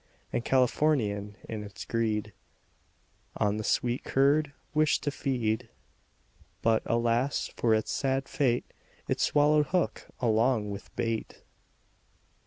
And Californian in its greed, On the sweet curd wished to feed; But, alas, for it's sad fate, It swallowed hook along with bait.